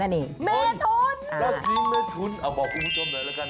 ราศีเมทุนอ่ะบอกคุณผู้ชมหน่อยละกัน